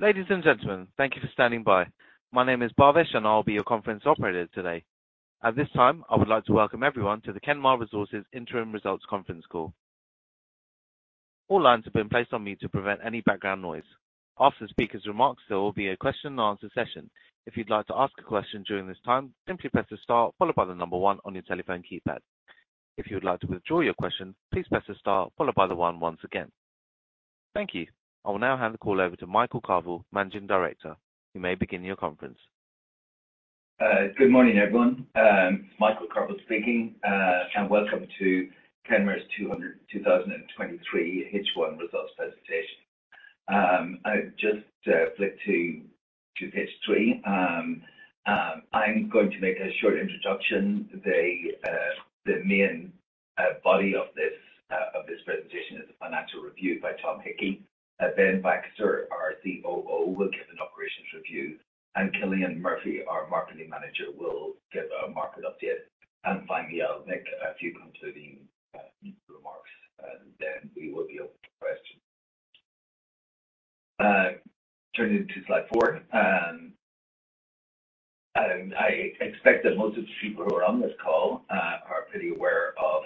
Ladies and gentlemen, thank you for standing by. My name is Bhavesh, and I'll be your conference operator today. At this time, I would like to welcome everyone to the Kenmare Resources Interim Results Conference Call. All lines have been placed on mute to prevent any background noise. After the speaker's remarks, there will be a question and answer session. If you'd like to ask a question during this time, simply press the star followed by the number one on your telephone keypad. If you would like to withdraw your question, please press the star followed by the one once again. Thank you. I will now hand the call over to Michael Carvill, Managing Director. You may begin your conference. Good morning, everyone. It's Michael Carvill speaking, welcome to Kenmare's 2023 H1 results presentation. I just flip to page 3. I'm going to make a short introduction. The main body of this presentation is a financial review by Tom Hickey. Ben Baxter, our COO, will give an operations review, and Cillian Murphy, our Marketing Manager, will give a market update. Finally, I'll make a few concluding remarks, and then we will be open to questions. Turning to Slide 4. I expect that most of the people who are on this call are pretty aware of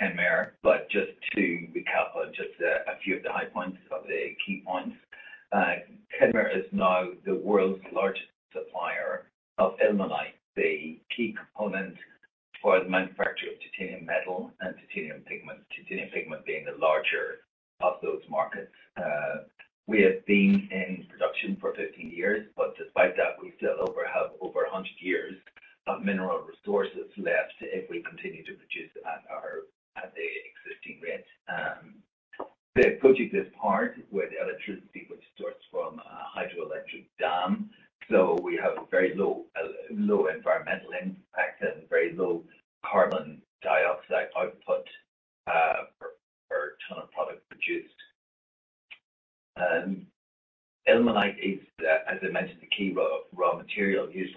Kenmare, but just to recap on just a few of the high points or the key points. Kenmare is now the world's largest supplier of ilmenite, the key component for the manufacture of titanium metal and titanium pigment. Titanium pigment being the larger of those markets. We have been in production for 15 years, despite that, we still over have over 100 years of mineral resources left if we continue to produce at the existing rate. The project is powered with electricity, which starts from a hydroelectric dam, we have a very low environmental impact and very low carbon dioxide output per ton of product produced. Ilmenite is, as I mentioned, the key raw material used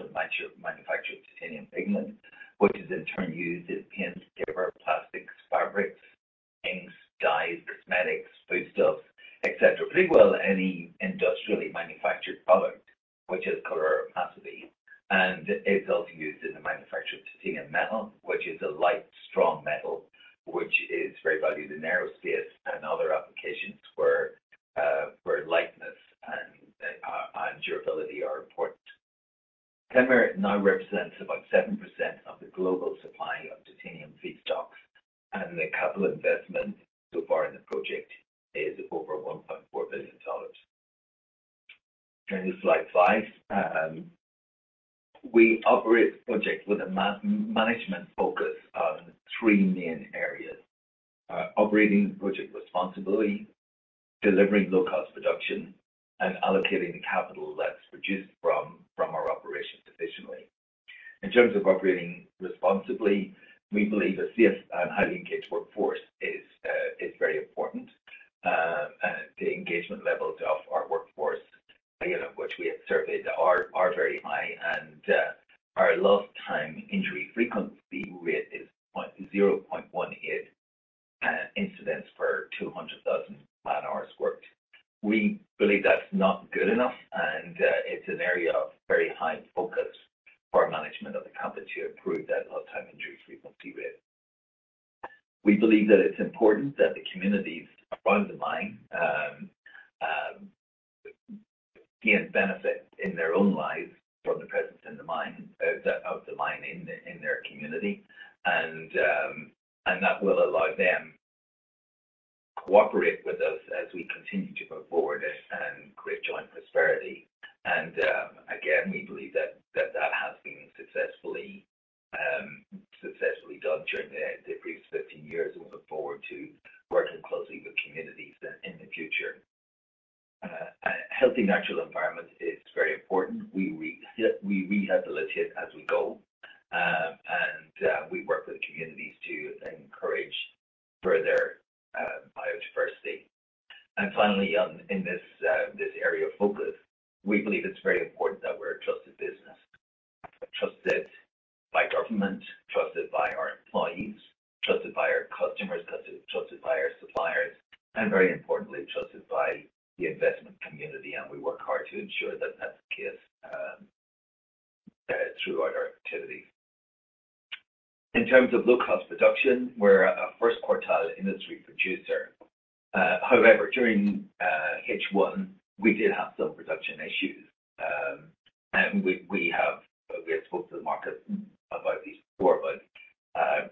A healthy natural environment is very important. We, we, we rehabilitate as we go, and we work with communities to encourage further biodiversity. Finally, in this area of focus, we believe it's very important that we're a trusted business. Trusted by government, trusted by our employees, trusted by our customers, trusted, trusted by our suppliers, and very importantly, trusted by the investment community, and we work hard to ensure that that's the case throughout our activity. In terms of low-cost production, we're a first quartile industry producer. However, during H1, we did have some production issues. We, we have... We have spoke to the market about these before, but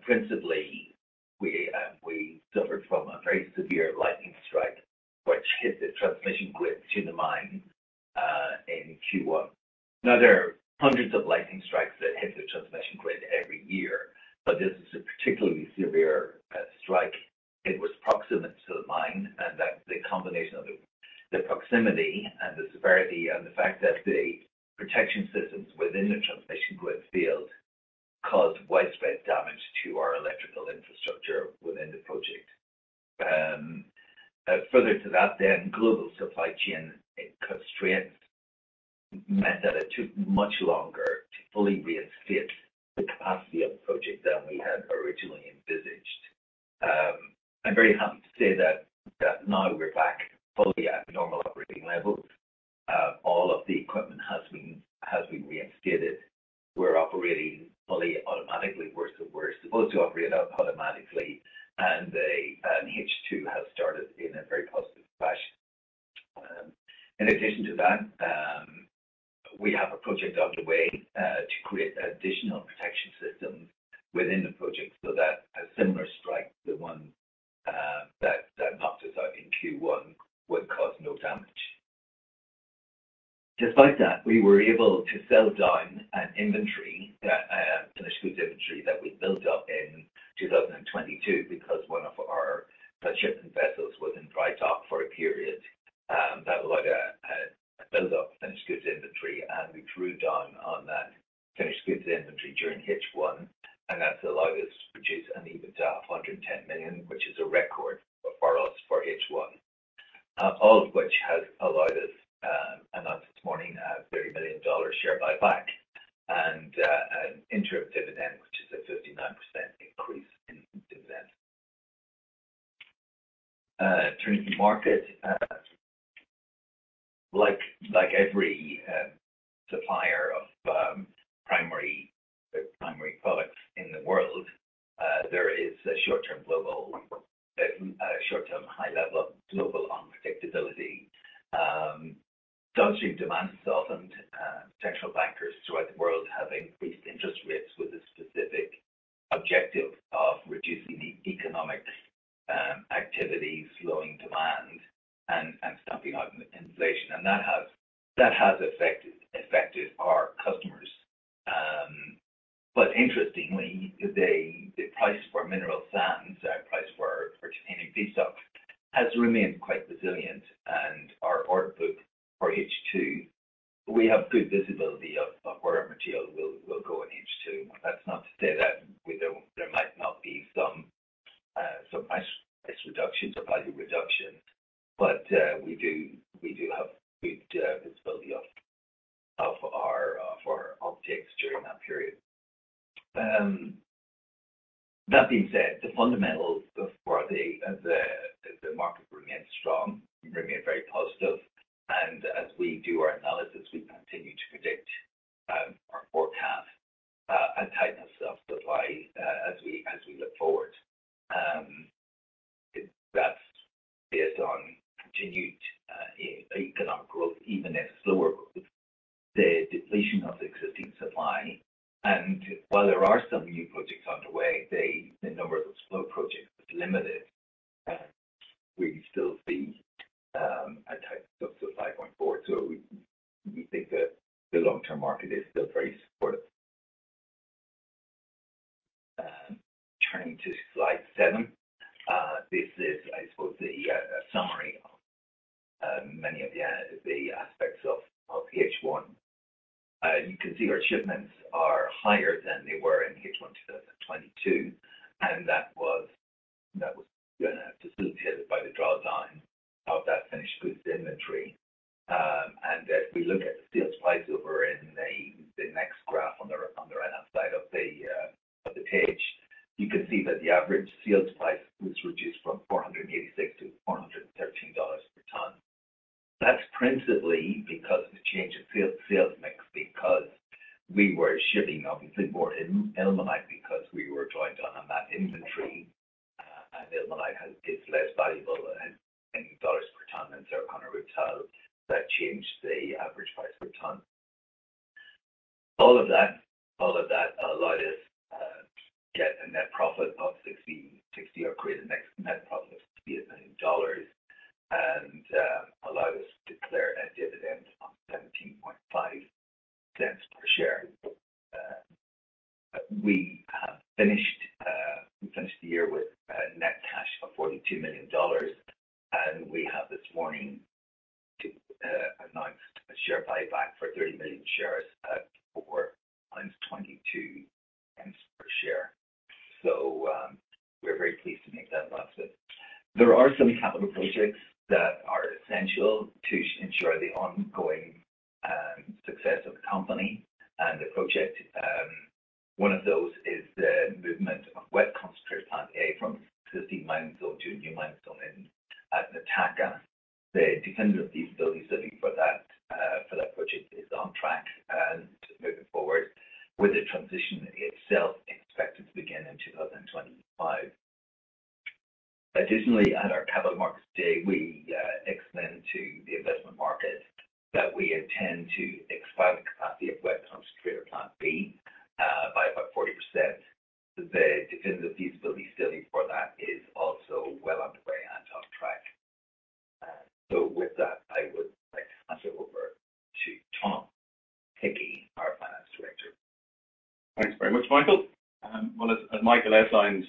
principally, we suffered from a very severe lightning strike, which hit the transmission grid to the mine in Q1. There are hundreds of lightning strikes that hit the transmission grid every year, but this is a particularly severe strike. It was proximate to the mine, and that the combination of the proximity and the severity and the fact that the protection systems within the transmission grid field caused widespread damage to our electrical infrastructure within the project. Further to that then, global supply chain constraints meant that it took much longer to fully reinstate the capacity of the project than we had originally envisaged. I'm very morning announced a share buyback for 30 million shares at 422p per share. We're very pleased to make that announcement. There are some capital projects that are essential to ensure the ongoing success of the company and the project. One of those is the movement of Wet Concentrator Plant A from the mine site to a new mine site at Nataka. The Definitive Feasibility Study for that for that project is on track and moving forward, with the transition itself expected to begin in 2025. Additionally, at our Capital Markets Day, we explained to the investment market that we intend to expand the capacity of Wet Concentrator Plant B by about 40%. The Definitive Feasibility Study for that is also well underway and on track. With that, I would like to hand it over to Tom Hickey, our Finance Director. Thanks very much, Michael. Well, as, as Michael outlined,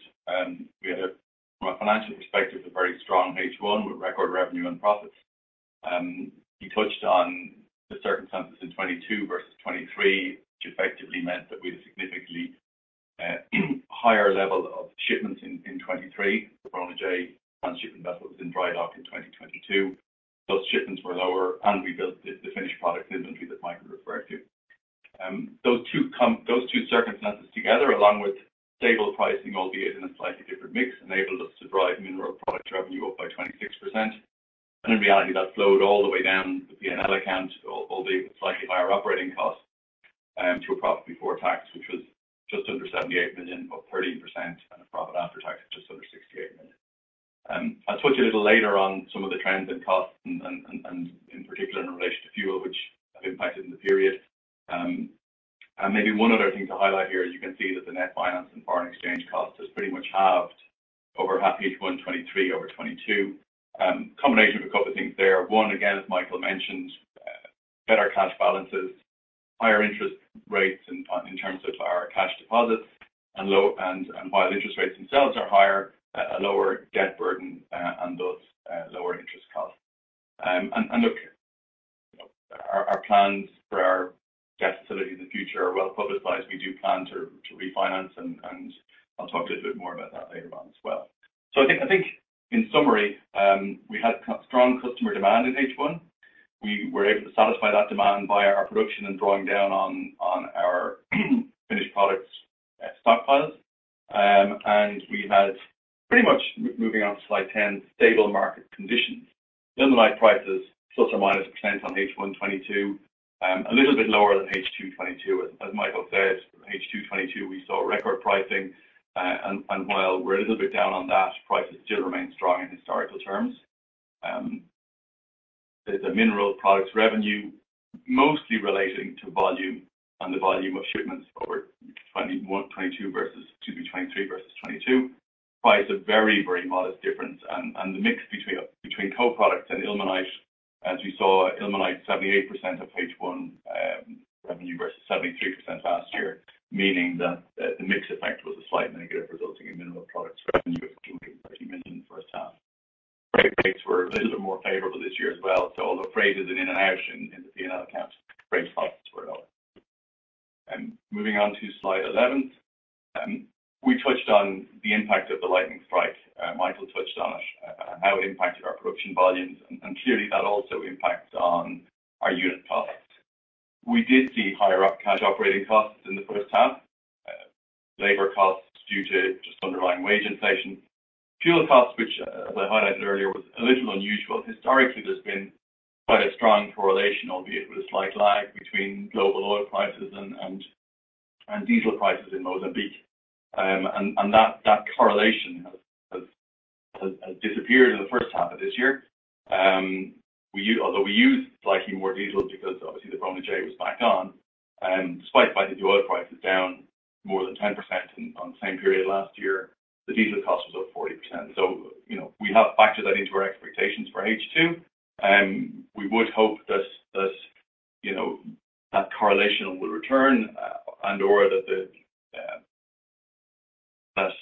we had a, from a financial perspective, a very strong H1 with record revenue and profits. He touched on the circumstances in 22 versus 23, which effectively meant that we had a significantly higher level of shipments in 2023. The Bronagh J transshipment vessel was in dry dock in 2022. Those shipments were lower, we built the, the finished product inventory that Michael referred to. Those two circumstances together, along with stable pricing, albeit in a slightly different mix, enabled us to drive mineral product revenue up by 26%. In reality, that flowed all the way down the P&L account, albeit with slightly higher operating costs, to a profit before tax, which was just under $78 million, up 13%, and a profit after tax of just under $68 million. I'll touch a little later on some of the trends in costs and, and, and, and in particular in relation to fuel, which have impacted in the period. And maybe one other thing to highlight here is you can see that the net finance and foreign exchange cost has pretty much halved over H1 2023 over 2022. Combination of a couple of things there. 1, again, as Michael mentioned, better cash balances, higher interest rates in, in terms of our cash deposits, and low - and, and while interest rates themselves are higher, a, a lower debt burden, and thus, lower interest costs. Look, our, our plans for our debt facility in the future are well-publicized. We do plan to, to refinance and, and I'll talk a little bit more about that later on as well. I think, I think in summary, we had strong customer demand in H1. We were able to satisfy that demand via our production and drawing down on, on our, finished products, stockpiles. We had pretty much, m- moving on to Slide 10, stable market conditions. Ilmenite prices, ±% on H1 2022, a little bit lower than H2 2022. As Michael said, H2 2022, we saw record pricing, while we're a little bit down on that, prices still remain strong in historical terms. There's a mineral products revenue, mostly relating to volume and the volume of shipments over 2021, 2022 versus, excuse me, 2023 versus 2022. Prices a very, very modest difference, the mix between co-products and ilmenite, as you saw, ilmenite, 78% of H1 revenue versus 73% last year, meaning that that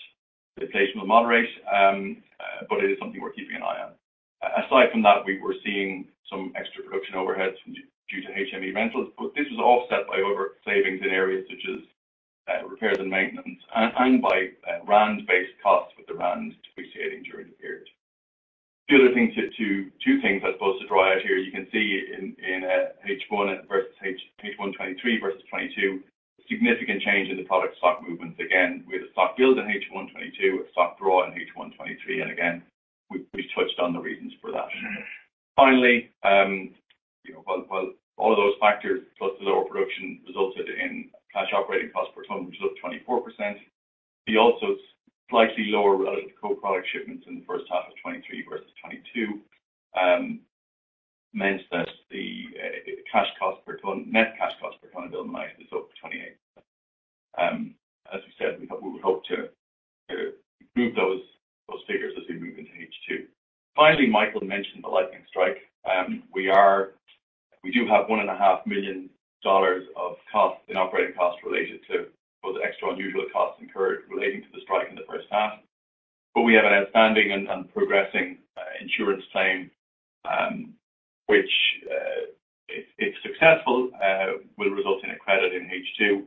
the inflation will moderate, but it is something we're keeping an eye on. Aside from that, we were seeing some extra production overheads due to HME rentals, but this was offset by other savings in areas such as repairs and maintenance, and by rand-based costs, with the rand depreciating during the period. The other thing, 2 things I'm supposed to draw out here. You can see H1 versus H1 2023 versus 2022, significant change in the product stock movements. Again, we had a stock build in H1 2022, a stock draw in H1 2023, and again, we touched on the reasons for that. Finally, you know, well, well, all of those factors, plus the lower production, resulted in cash operating costs per ton, which is up 24%. We also slightly lower relative to co-product shipments in the first half of 2023 versus 2022. means that the net cash cost per ton of ilmenite is up 28%. As we said, we hope, we would hope to improve those figures as we move into H2. Finally, Michael mentioned the lightning strike. We do have $1.5 million of costs in operating costs related to those extra unusual costs incurred relating to the strike in the first half. We have an outstanding and progressing insurance claim, which, if successful, will result in a credit in H2.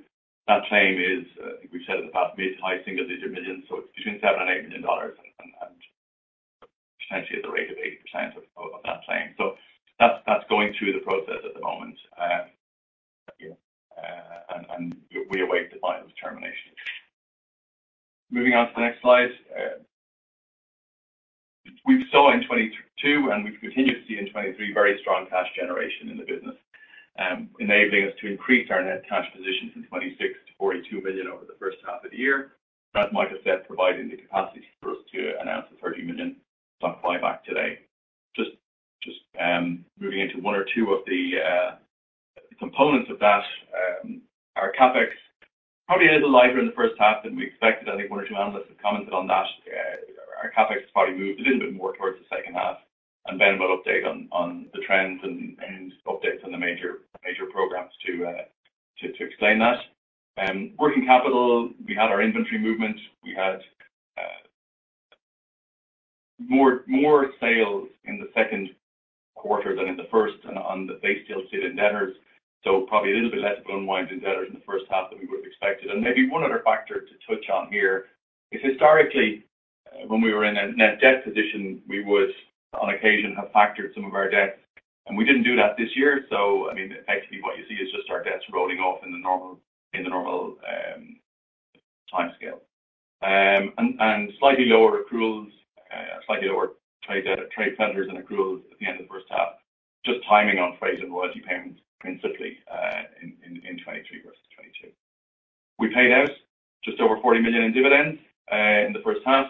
That claim is, I think we've said in the past, mid to high single digit million, so it's between $7 million and $8 million, and potentially at the rate of 8% of that claim. That's, that's going through the process at the moment. We await the final determination. Moving on to the next Slide. We saw in 2022, and we've continued to see in 2023, very strong cash generation in the business, enabling us to increase our net cash position from $26 million to $42 million over the first half of the year. As Michael said, providing the capacity for us to announce the $30 million stock buyback today. Just, just moving into one or two of the components of that. Our CapEx, probably a little lighter in the first half than we expected. I think one or two analysts have commented on that. Our CapEx probably moved a little bit more towards the second half, Ben will update on, on the trends and, and updates on the major, major programs to, to, to explain that. Working capital, we had our inventory movement, we had more, more sales in the second quarter than in the first on, on the base deal sit in debtors. Probably a little bit less going to wind in debtors in the first half than we would have expected. Maybe one other factor to touch on here is historically, when we were in a net debt position, we would on occasion have factored some of our debts, and we didn't do that this year. I mean, effectively, what you see is just our debts rolling off in the normal, in the normal timescale. Slightly lower accruals, slightly lower trade, trade creditors and accruals at the end of the first half, just timing on trades and royalty payments, principally, in 2023 versus 2022. We paid out just over $40 million in dividends in the first half,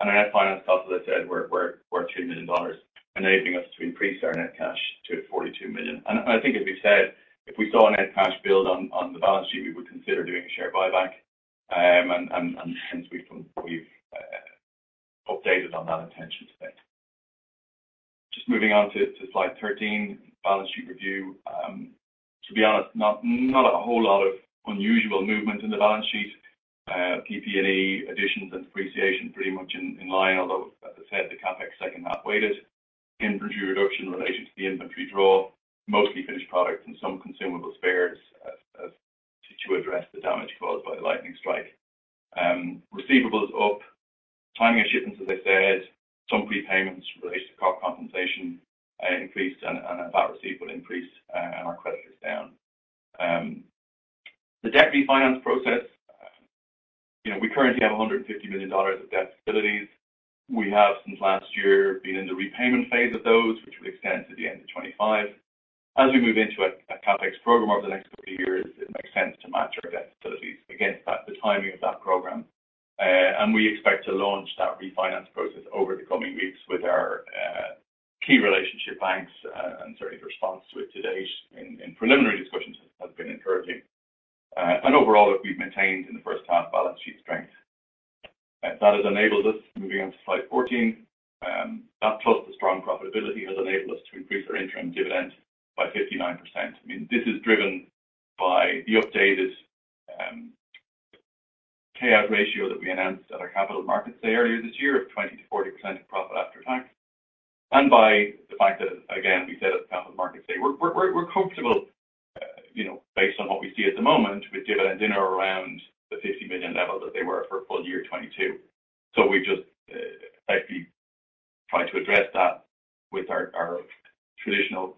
and our net finance costs, as I said, were $2 million, enabling us to increase our net cash to $42 million. I think, as we said, if we saw a net cash build on the balance sheet, we would consider doing a share buyback. Since we've come, we've updated on that intention today. Just moving on to Slide 13, balance sheet review. To be honest, not, not a whole lot of unusual movement in the balance sheet. PP&E additions and depreciation pretty much in, in line, although, as I said, the CapEx second half weighted. Inventory reduction related to the inventory draw, mostly finished products and some consumable spares to address the damage caused by the lightning strike. Receivables up, timing of shipments, as I said, some prepayments related to CIG compensation increased, and that receivable increased, and our credit is down. The debt refinance process, you know, we currently have $150 million of debt facilities. We have since last year been in the repayment phase of those, which will extend to the end of 2025. As we move into a CapEx program over the next couple of years, it makes sense to match our debt facilities against that, the timing of that program. We expect to launch that refinance process over the coming weeks with our key relationship banks, and certainly, the response to it to date in preliminary discussions has been encouraging. Overall, look, we've maintained in the first half balance sheet strength. That has enabled us, moving on to Slide 14, that plus the strong profitability has enabled us to increase our interim dividend by 59%. I mean, this is driven by the updated payout ratio that we announced at our Capital Markets Day earlier this year of 20%-40% of profit after tax, and by the fact that, again, we said at the Capital Markets Day, we're, we're, we're comfortable, you know, based on what we see at the moment, with dividends in or around the $50 million level that they were for full year 2022. We just effectively trying to address that with our traditional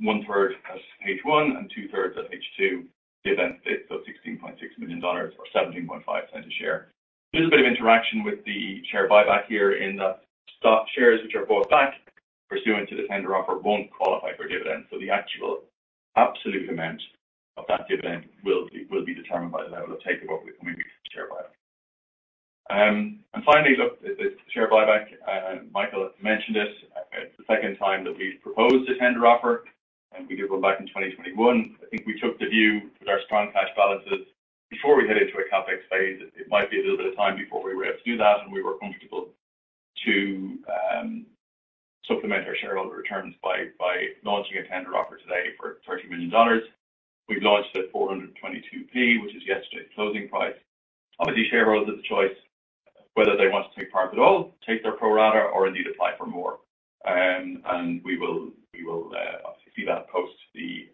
1/3 at H1 and 2/3 at H2 dividend date, $16.6 million or $0.175 a share. There's a bit of interaction with the share buyback here in that such shares, which are bought back pursuant to the tender offer, won't qualify for dividends. The actual absolute amount of that dividend will be, will be determined by the level of take-up of the coming share buyback. Finally, look, the, the share buyback, and, and Michael mentioned it. It's the second time that we've proposed a tender offer, and we did one back in 2021. I think we took the view with our strong cash balances before we head into a CapEx Phase, it might be a little bit of time before we were able to do that, and we were comfortable to supplement our shareholder returns by, by launching a tender offer today for $30 million. We've launched at 422p, which is yesterday's closing price. Obviously, shareholders have the choice whether they want to take part at all, take their pro rata, or indeed apply for more. We will, we will obviously see that post the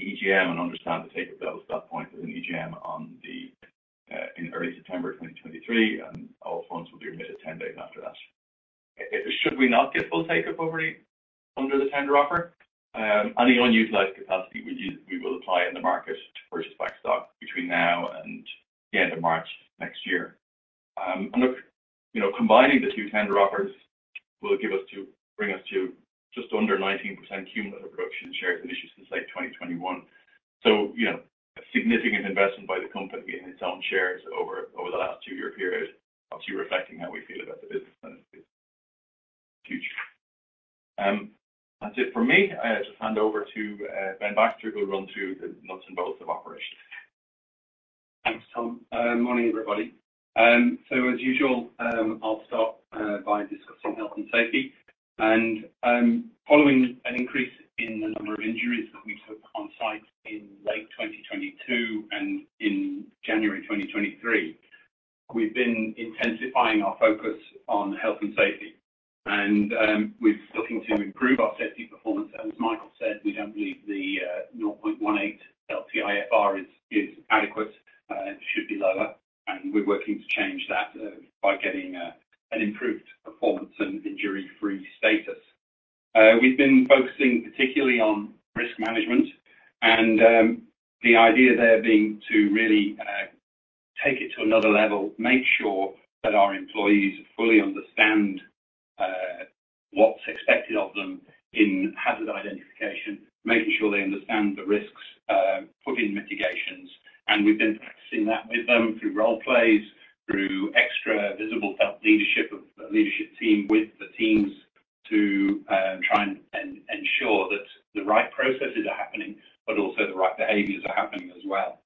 EGM and understand the take of those that point at an EGM on the in early September 2023, and all funds will be admitted 10 days after that. Should we not get full take-up over under the tender offer, any unutilized capacity we use, we will apply in the market to purchase back stock between now and the end of March next year. Look, you know, combining the two tender offers will give us to bring us to just under 19% cumulative reduction in shares and issues since late 2021. You know, a significant investment by the company in its own shares over, over the last two-year period, obviously reflecting how we feel about the business. Huge. That's it for me. I just hand over to Ben Baxter, who will run through the nuts and bolts of operation. Thanks, Tom. Morning, everybody. So as usual, I'll start by discussing health and safety. Following an increase in the number of injuries that we took on site in late 2022 and in January 2023, we've been intensifying our focus on health and safety, and we're looking to improve our safety performance. As Michael said, we don't believe the 0.18 LTIFR is adequate, it should be lower. We're working to change that by getting an improved performance and injury-free status. We've been focusing particularly on risk management and the idea there being to really take it to another level, make sure that our employees fully understand what's expected of them in hazard identification, making sure they understand the risks, putting mitigations. We've been practicing that with them through role plays, through extra visible self-leadership of leadership team with the teams to try and ensure that the right processes are happening, but also the right behaviors are happening as well.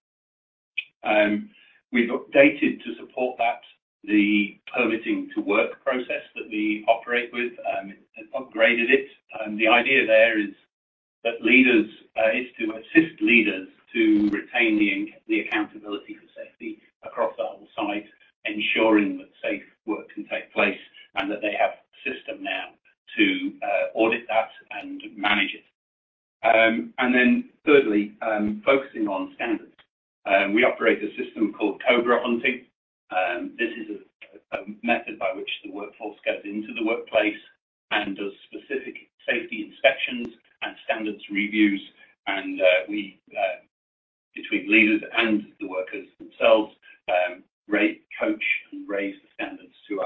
We've updated to support that, the permitting to work process that we operate with and upgraded it. The idea there is to assist leaders to retain the accountability for safety across the whole site, ensuring that safe work can take place and that they have a system now to audit that and manage it. Then thirdly, focusing on standards. We operate a system called COBRA Hunting. This is a method by which the workforce goes into the workplace and does specific safety inspections and standards reviews, and we, between leaders and the workers themselves, rate, coach, and raise the standards to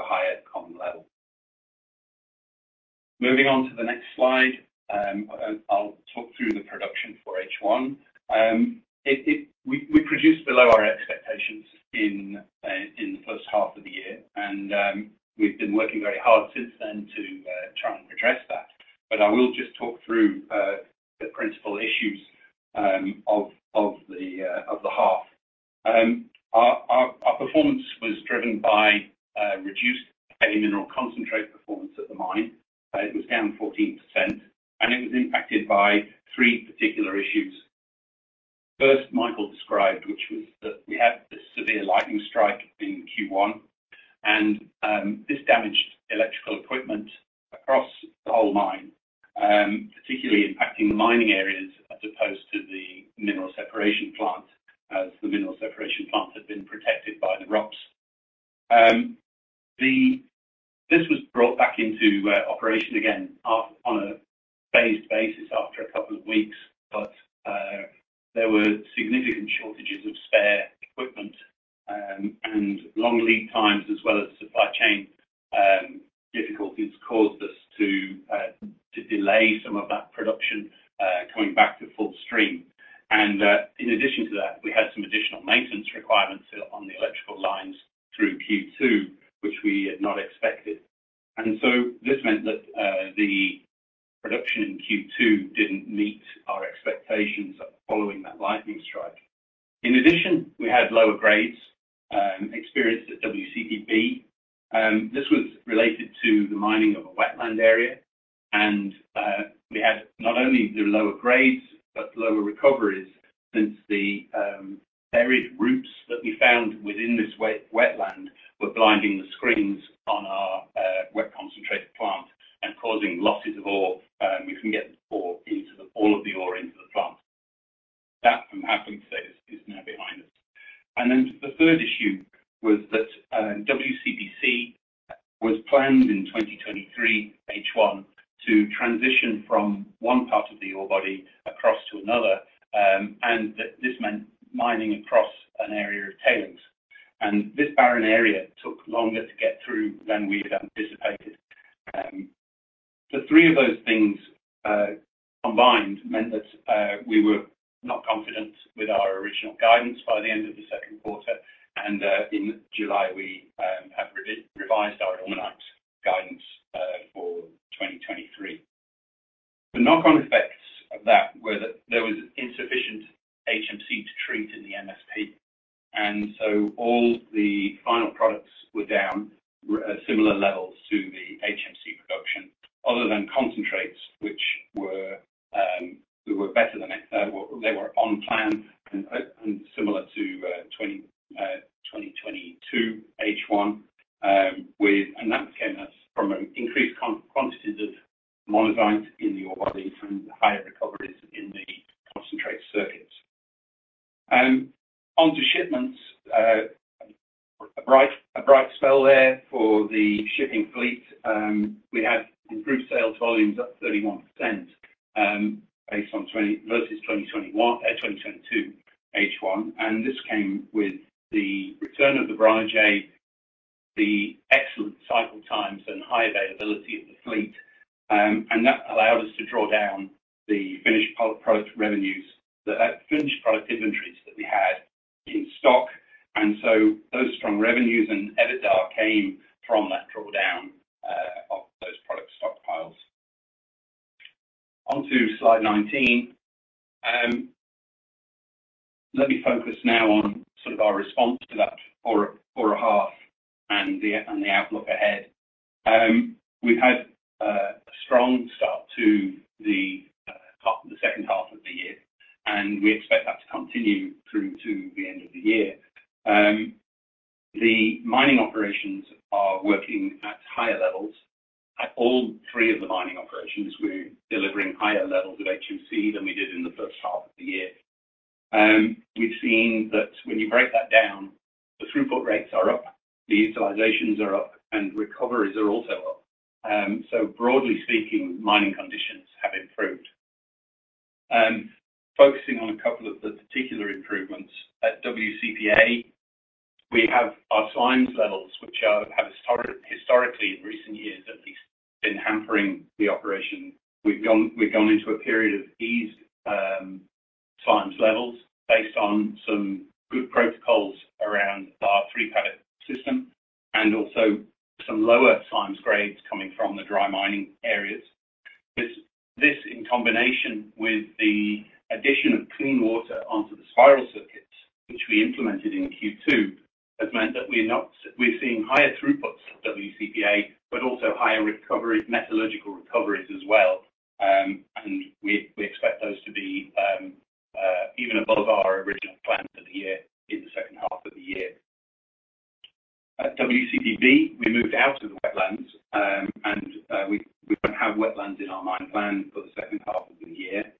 a higher common level. Moving on to the next Slide, I'll talk through the production for H1. We produced below our expectations in the first half of the year, and we've been working very hard since then to try and redress that. But I will just talk through the principal issues of the half. Our performance was driven by reduced Heavy Mineral Concentrate performance at the mine. It was down 14%, and it was impacted by three particular issues. First, Michael described, which was that we had this severe lightning strike in Q1. This damaged electrical equipment across the whole mine, particularly impacting the mining areas as opposed to the Mineral Separation Plant, as the Mineral Separation Plant had been protected by the rods. This was brought back into operation again, on a phased basis after a couple of weeks, but there were significant shortages of spare equipment, and long lead times, as well as supply chain difficulties, caused us to delay some of that production coming back to full stream. In addition to that, we had some additional maintenance requirements on the electrical lines through Q2, which we had not expected. This meant that the production in Q2 didn't meet our expectations following that lightning strike. In addition, we had lower grades experienced at WCP B. This was related to the mining of a wetland area, and we had not only the lower grades, but lower recoveries, since the buried roots that we found within this wetland were blinding the screens on our Wet Concentrator Plant and causing losses of ore. We couldn't get all of the ore into the plant. That, I'm happy to say, is now behind us. The third issue was that WCP B was planned in 2023, H1, to transition from one part of the ore body across to another, and that this meant mining across an area of tailings. This barren area took longer to get through than we had anticipated. The three of those things combined meant that we were not confident with our original guidance by the end of the 2Q, and in July, we have revised our ilmenite guidance for 2023. The knock-on effects of that were that there was insufficient HMC to treat in the MSP, and so all the final products were down, at similar levels to the HMC production, other than concentrates, which were better than... They were on plan and similar to 2022 H1, with and that, again, that's from increased quantities of monazite in the ore bodies and higher recoveries in the concentrate circuits. Onto shipments, a bright spell there for the shipping fleet. We had improved sales volumes, up 31%, based on 2021, 2022 H1. This came with the return of the Bronagh J, the excellent cycle times and high availability of the fleet. That allowed us to draw down the finished product revenues, the finished product inventories that we had in stock. Those strong revenues and EBITDA came from that drawdown of those product stockpiles. On to Slide 19. Let me focus now on sort of our response to that poor half and the outlook ahead. We've had a strong start to the half, the second half of the year. We expect that to continue through to the end of the year. The mining operations are working at higher levels. At all three of the mining operations, we're delivering higher levels of HMC than we did in the first half of the year. We've seen that when you break that down, the throughput rates are up, the utilizations are up, and recoveries are also up. Broadly speaking, mining conditions have improved. Focusing on a couple of the particular improvements, at WCP A, we have our slimes levels, which, historically, in recent years at least, been hampering the operation. We've gone into a period of eased, slimes levels based on some good protocols around our three paddock system and also some lower slimes grades coming from the dry mining areas. This, this in combination with the addition of clean water onto the spiral circuit. which we implemented in Q2, has meant that we're not-- we're seeing higher throughputs at WCP A, but also higher recovery, metallurgical recoveries as well. We, we expect those to be even above our original plans for the year in the second half of the year. At WCP B, we moved out of the wetlands, and we, we don't have wetlands in our mine plan for the second half of the year.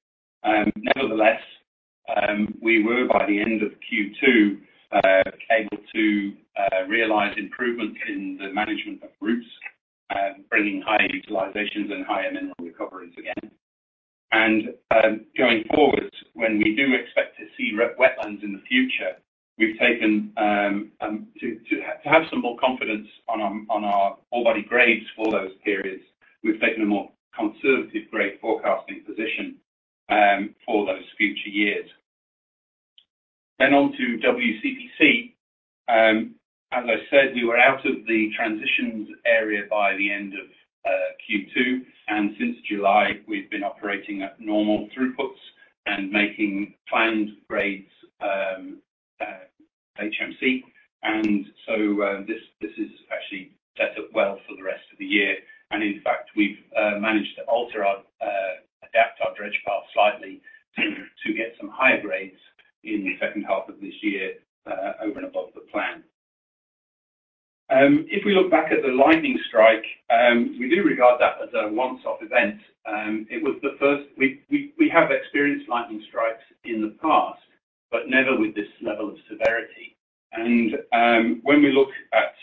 Nevertheless, we were, by the end of Q2, able to realize improvement in the management of roots, bringing higher utilizations and higher mineral recoveries again. Going forward, when we do expect to see wetlands in the future, we've taken to have some more confidence on our, on our ore body grades for those periods, we've taken a more conservative grade forecasting position for those future years. On to WCP B, as I said, we were out of the transitions area by the end of Q2, and since July, we've been operating at normal throughputs and making planned grades HMC. This is actually set up well for the rest of the year. In fact, we've managed to alter our, adapt our dredge path slightly, to get some higher grades in the second half of this year, over and above the plan. If we look back at the lightning strike, we do regard that as a once-off event. It was the first... We, we, we have experienced lightning strikes in the past, but never with this level of severity. When we looked at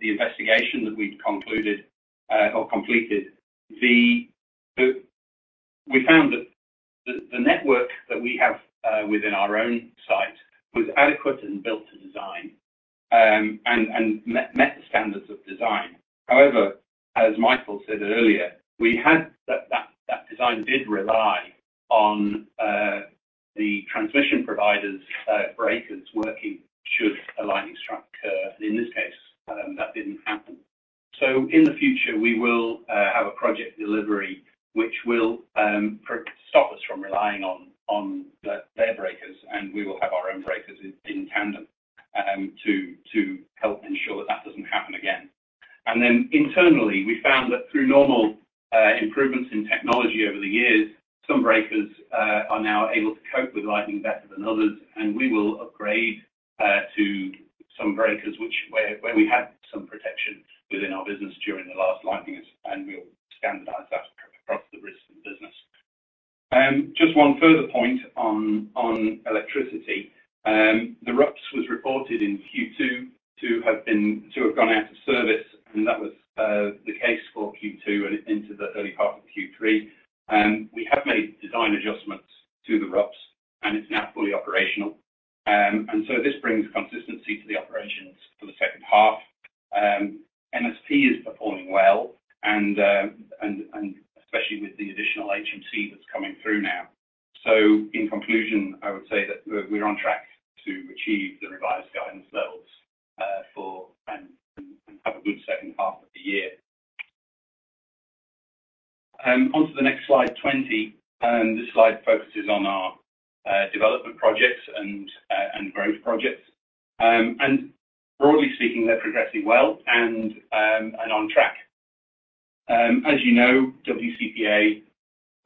the investigation that we'd concluded or completed, we found that the network that we have within our own site was adequate and built to design, and met, met the standards of design. However, as Michael said earlier, we had that, that, that design did rely on the transmission provider's breakers working, should a lightning strike occur. In this case, that didn't happen. In the future, we will have a project delivery, which will stop us from relying on, on their, their breakers, and we will have our own breakers in, in tandem, to help ensure that that doesn't happen again. Then internally, we found that through normal improvements in technology over the years, some breakers are now able to cope with lightning better than others, and we will upgrade to some breakers, which where, where we had some protection within our business during the last lightning, and we'll standardize that across the rest of the business. Just one further point on, on electricity. The RUPS was reported in Q2 to have been, to have gone out of service, and that was the case for Q2 and into the early half of Q3. We have made design adjustments to the RUPS. It's now fully operational. This brings consistency to the operations for the second half. MSP is performing well, especially with the additional HMC that's coming through now. In conclusion, I would say that we're on track to achieve the revised guidance levels for and have a good second half of the year. Onto the next Slide, 20. This Slide focuses on our development projects and growth projects. Broadly speaking, they're progressing well and on track. As you know, WCP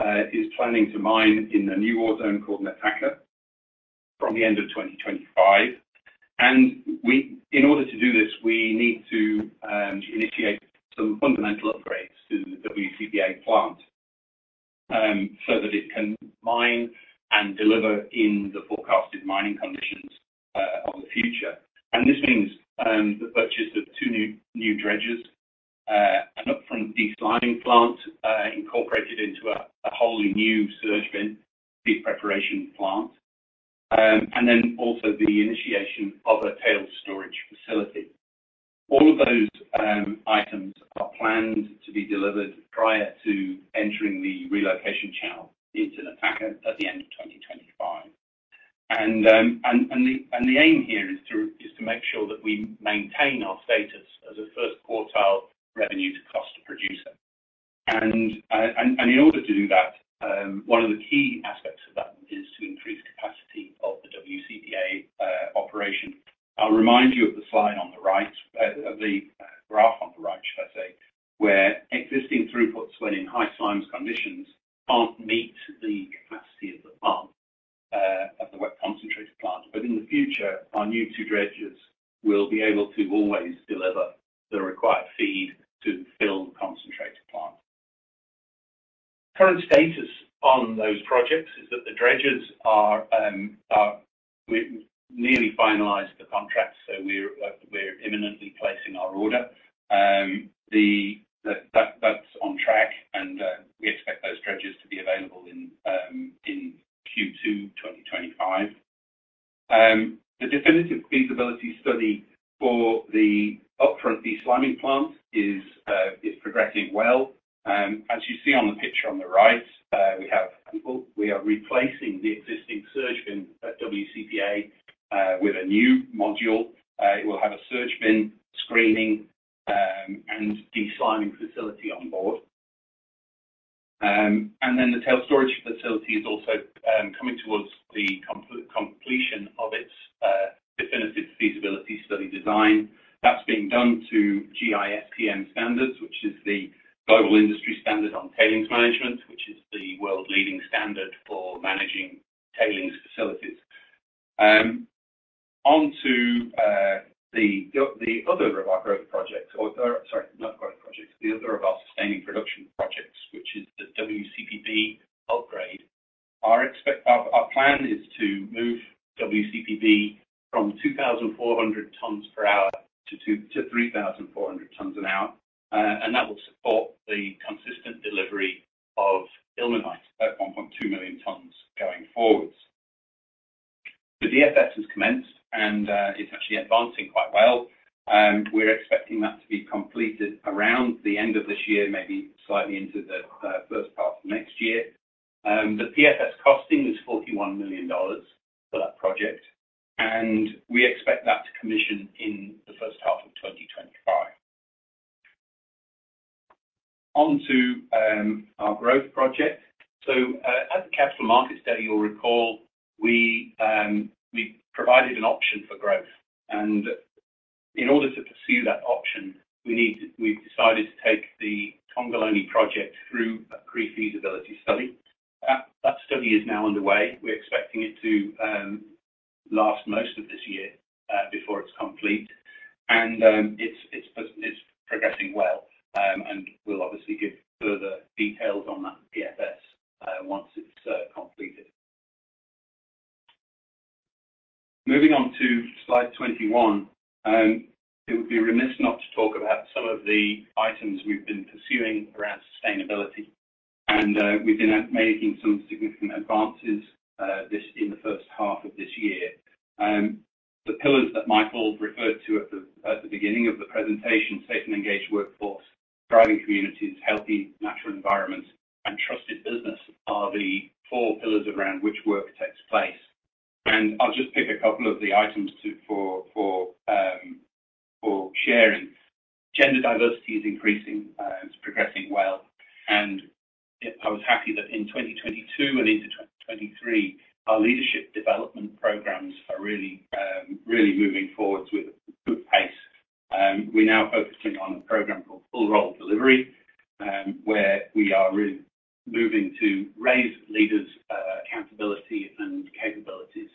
A is planning to mine in a new ore zone called Nataka from the end of 2025. In order to do this, we need to initiate some fundamental upgrades to the WCP A plant, so that it can mine and deliver in the forecasted mining conditions of the future. This means the purchase of two new, new dredges, an upfront de-sliming plant, incorporated into a wholly new surge bin, the preparation plant, and then also the initiation of a tailings storage facility. All of those items are planned to be delivered prior to entering the relocation channel into Nataka at the end of 2025. The aim here is to make sure that we maintain our status as a first quartile revenue to cost producer. In order to do that, one of the key aspects of that is to increase capacity of the WCP A operation. I'll remind you of the Slide on the right, the graph on the right, should I say, where existing throughputs when in high slimes conditions, can't meet the capacity of the plant, of the Wet Concentrator Plant. In the future, our new two dredges will be able to always deliver the required feed to fill the concentrated plant. Current status on those projects is that the dredges. We've nearly finalized the contract, so we're imminently placing our order. The, that, that's on track, and we expect those dredges to be available in Q2 2025. The Definitive Feasibility Study for the upfront de-sliming plant is progressing well. As you see on the picture on the right, we have people. We are replacing the existing surge bin at WCP A with a new module. It will have a surge bin screening and de-sliming facility on board. Then the tailings storage facility is also coming towards the completion of its Definitive Feasibility Study design. That's being done to GISTM standards, which is the Global Industry Standard on Tailings Management, which is the world-leading standard for managing tailings facilities. On to the other of our growth projects, or sorry, not growth projects, the other of our sustaining production projects, which is the WCP B upgrade. Our, our plan is to move WCP B from 2,400 tons per hour to 3,400 tons an hour, that will support the consistent delivery of ilmenite at 1.2 million tons going forwards. The DFS has commenced, it's actually advancing quite well, we're expecting that to be completed around the end of 2023, maybe slightly into the first half of 2024. The PFS costing is $41 million for that project, we expect that to commission in the first half of 2025. On to our growth project. At the Capital Markets Day, you'll recall we provided an option for growth, in order to pursue that option, we've decided to take the Congolone project through a pre-feasibility study. That study is now underway. We're expecting it to last most of this year before it's complete, and it's, it's, it's progressing well. We'll obviously give further details on that PFS once it's completed. Moving on to Slide 21, it would be remiss not to talk about some of the items we've been pursuing around sustainability, and we've been making some significant advances this, in the first half of this year. The pillars that Michael referred to at the beginning of the presentation, safe and engaged workforce, thriving communities, healthy natural environments, and trusted business, are the four pillars around which work takes place. I'll just pick a couple of the items to, for, for, for sharing. Gender diversity is increasing. It's progressing well. I was happy that in 2022 and into 2023, our leadership development programs are really moving forward with good pace. We're now focusing on a program called Full Role Delivery, where we are really moving to raise leaders' accountability and capabilities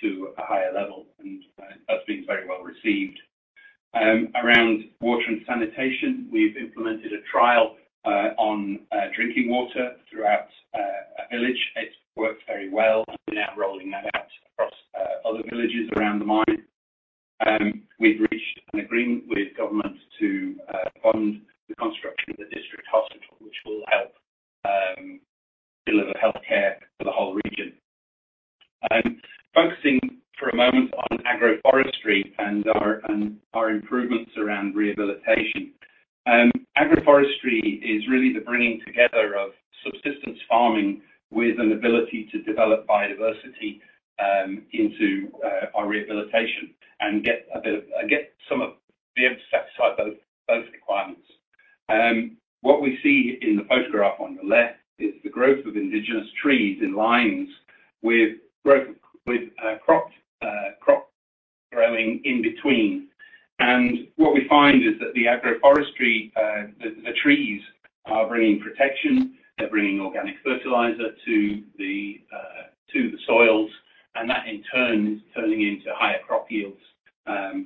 to a higher level, and that's been very well received. Around water and sanitation, we've implemented a trial on drinking water throughout a village. It's worked very well. We're now rolling that out across other villages around the mine. We've reached an agreement with government to fund the construction of the district hospital, which will help deliver healthcare for the whole region. Focusing for a moment on agroforestry and our, and our improvements around rehabilitation. Agroforestry is really the bringing together of subsistence farming with an ability to develop biodiversity into our rehabilitation and be able to satisfy both, both requirements. What we see in the photograph on the left is the growth of indigenous trees in lines with growth, with crops, crop growing in between. What we find is that the agroforestry, the, the trees are bringing protection, they're bringing organic fertilizer to the soils, and that, in turn, is turning into higher crop yields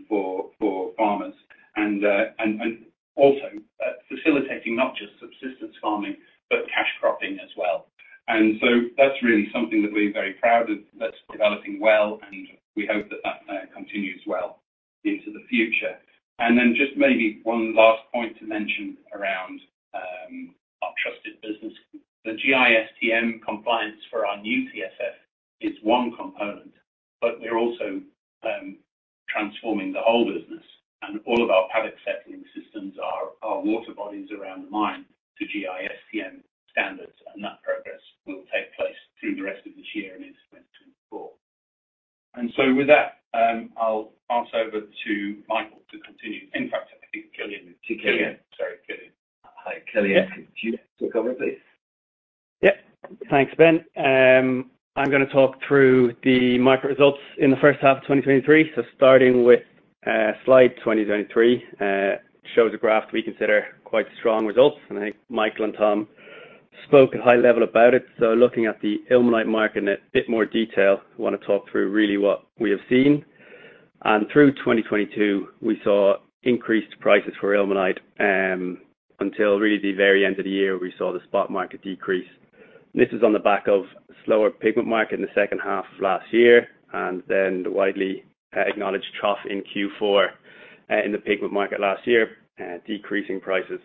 for, for farmers, and, and also facilitating not just subsistence farming, but cash cropping as well. That's really something that we're very proud of, that's developing well, and we hope that that continues well into the future. Then just maybe one last point to mention around our trusted business. The GISTM compliance for our new PFS is one component, but we're also transforming the whole business, and all of our paddock settling systems are our water bodies around the mine to GISTM standards, and that progress will take place through the rest of this year and into 2024. So with that, I'll pass over to Michael to continue. In fact, I think Cillian. To Cillian. Sorry, Cillian, could you take over, please? Yep. Thanks, Ben. I'm gonna talk through the market results in the first half of 2023. Starting with Slide 23, shows a graph we consider quite strong results, and I think Michael and Tom spoke at high level about it. Looking at the ilmenite market in a bit more detail, I wanna talk through really what we have seen. Through 2022, we saw increased prices for ilmenite until really the very end of the year, we saw the spot market decrease. This is on the back of slower pigment market in the second half of last year, the widely acknowledged trough in Q4 in the pigment market last year, decreasing prices.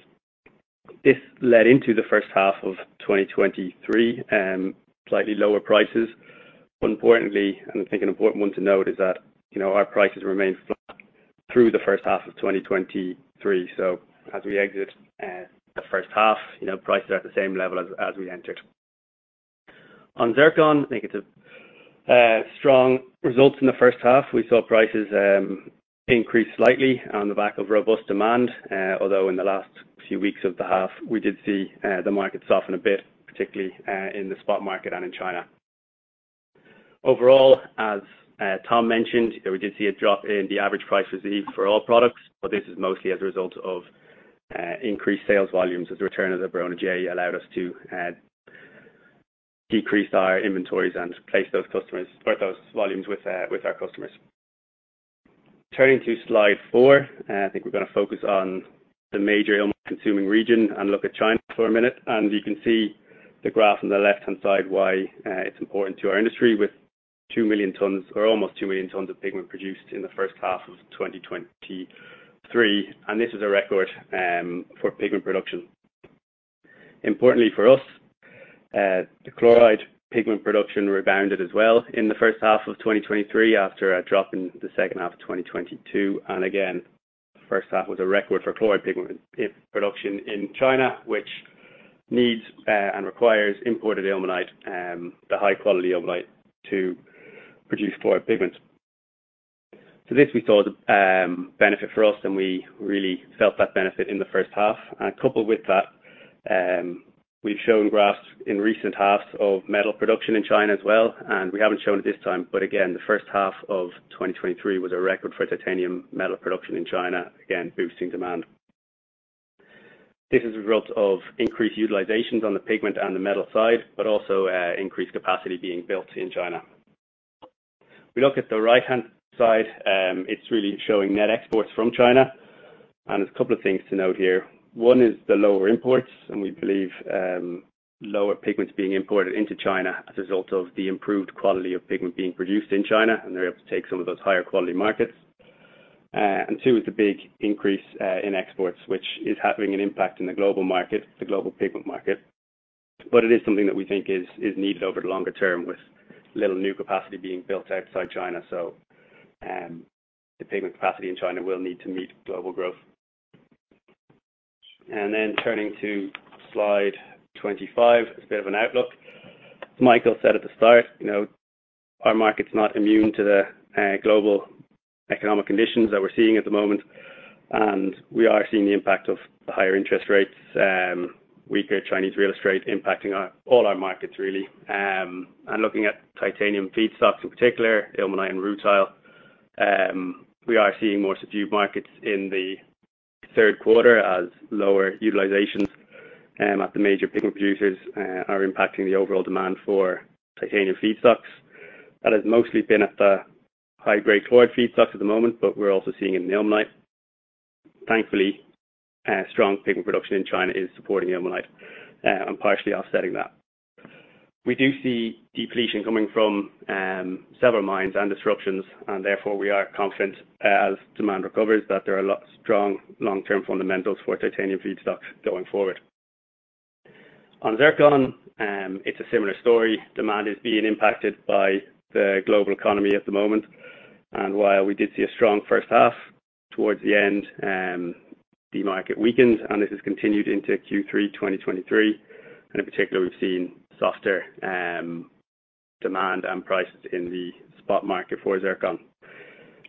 This led into the first half of 2023, slightly lower prices. Importantly, and I think an important one to note, is that, you know, our prices remained flat through the first half of 2023. As we exit, the first half, you know, prices are at the same level as, as we entered. On zircon, I think it's a strong results in the first half. We saw prices increase slightly on the back of robust demand. Although in the last few weeks of the half, we did see the market soften a bit, particularly in the spot market and in China. Overall, as Tom mentioned, that we did see a drop in the average price received for all products, but this is mostly as a result of increased sales volumes as the return of the Bronagh J allowed us to decrease our inventories and place those customers, put those volumes with, with our customers. Turning to Slide 4, I think we're gonna focus on the major ilmenite consuming region, look at China for a minute. You can see the graph on the left-hand side, why it's important to our industry with 2 million tons or almost 2 million tons of pigment produced in the first half of 2023. This is a record for pigment production. Importantly for us, the chloride pigment production rebounded as well in the first half of 2023, after a drop in the second half of 2022. Again, first half was a record for chloride pigment in production in China, which needs and requires imported ilmenite, the high quality ilmenite to produce chloride pigments. This we saw the benefit for us, and we really felt that benefit in the first half. Coupled with that, we've shown graphs in recent halves of metal production in China as well, and we haven't shown it this time. Again, the first half of 2023 was a record for titanium metal production in China, again, boosting demand. This is a result of increased utilizations on the pigment and the metal side, but also increased capacity being built in China. We look at the right-hand side, it's really showing net exports from China. There's a couple of things to note here. One is the lower imports. We believe lower pigments being imported into China as a result of the improved quality of pigment being produced in China. They're able to take some of those higher quality markets. Two is the big increase in exports, which is having an impact in the global market, the global pigment market. It is something that we think is, is needed over the longer term, with little new capacity being built outside China. The pigment capacity in China will need to meet global growth. Turning to Slide 25, it's a bit of an outlook. Michael said at the start, you know, our market's not immune to the global economic conditions that we're seeing at the moment, we are seeing the impact of the higher interest rates, weaker Chinese real estate impacting our, all our markets really. Looking at titanium feedstocks, in particular, ilmenite and rutile, we are seeing more subdued markets in the third quarter as lower utilizations at the major pigment producers are impacting the overall demand for titanium feedstocks. That has mostly been at the high-grade chloride feedstocks at the moment, but we're also seeing it in the ilmenite. Thankfully, strong pigment production in China is supporting ilmenite and partially offsetting that. We do see depletion coming from several mines and disruptions, and therefore, we are confident, as demand recovers, that there are lot- strong long-term fundamentals for titanium feedstocks going forward. On zircon, it's a similar story. Demand is being impacted by the global economy at the moment, and while we did see a strong first half, towards the end, the market weakened, and this has continued into Q3, 2023. In particular, we've seen softer demand and prices in the spot market for zircon.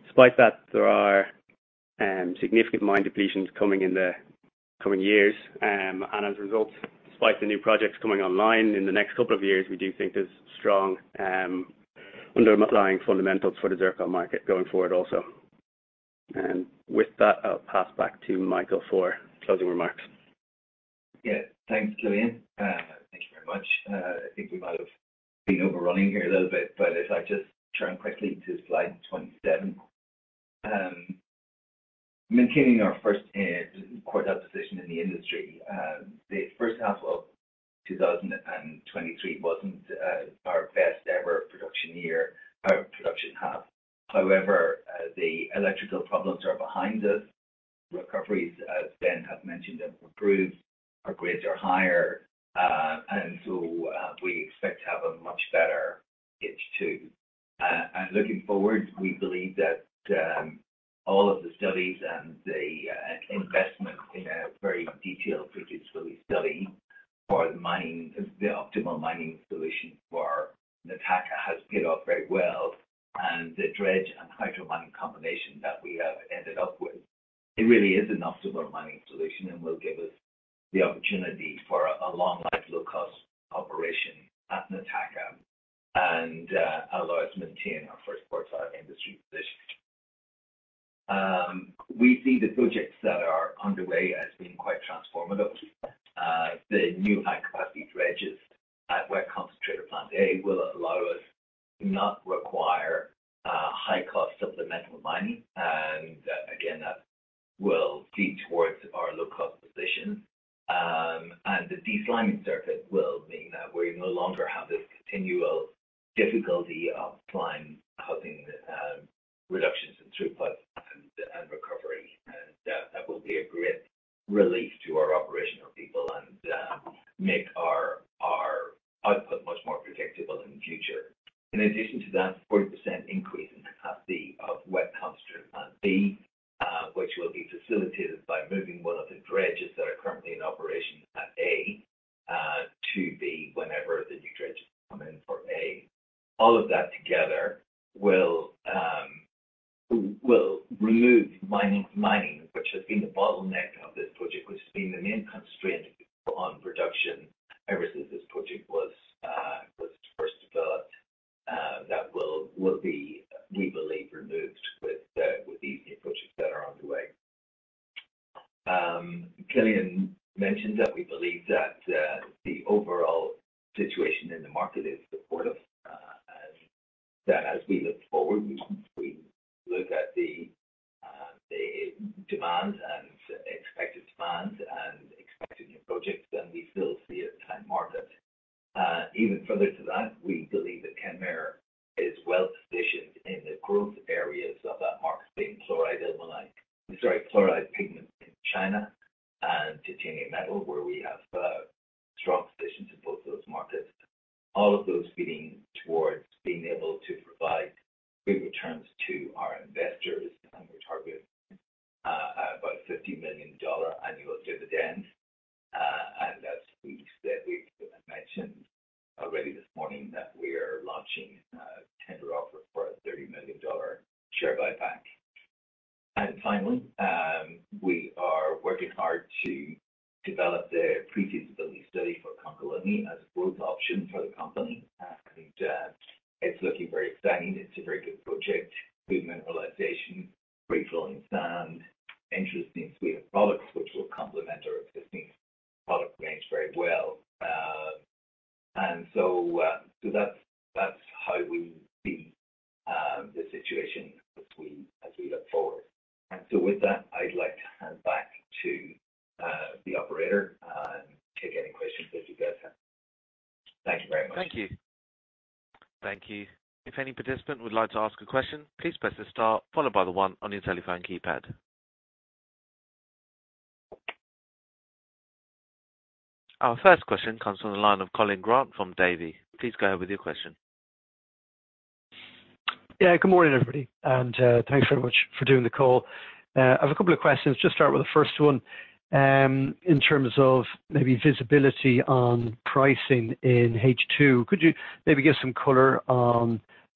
Despite that, there are significant mine depletions coming in the coming years. As a result, despite the new projects coming online in the next couple of years, we do think there's strong underlying fundamentals for the zircon market going forward also. With that, I'll pass back to Michael for closing remarks. Yeah, thanks, Cillian. Thank you very much. I think we might have been overrunning here a little bit, if I just turn quickly to Slide 27. Maintaining our 1st quarter position in the industry, the 1st half of 2023 wasn't our best ever production year, production half. The electrical problems are behind us. Recoveries, as Ben has mentioned, have improved, our grades are higher, we expect to have a much better H2. Looking forward, we believe that all of the studies and the investment in a very detailed feasibility study for the mining, the optimal mining solution for Nataka has paid off very well. The dredge and hydro mining combination that we have ended up with, it really is an optimal mining solution and will give us the opportunity for a long life, low-cost operation at Nataka. Allow us to maintain our first quartile industry position. We see the projects that are underway as being quite transformative. The new high-capacity dredges at Wet Concentrator Plant A will allow us to not require high cost supplemental mining. Again, that will lead towards our low-cost position. The de-sliming circuit will mean that we no longer have this continual difficulty of slime causing reductions in throughput and recovery. That will be a great relief to our operational people and make our output much more predictable.... In addition to that, 40% increase in at the of wet cluster at B, which will be facilitated by moving 1 of the dredges that are currently in operation at A, to B whenever the new dredges come in for A. All of that together will remove mining, mining, which has been the bottleneck of this project, which has been the main constraint on production ever since this project was first developed. That will, will be, we believe, removed with the, with these new approaches that are